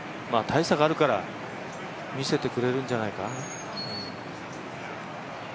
大差があるから、見せてくれるんじゃないか。